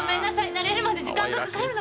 慣れるまで時間がかかるの」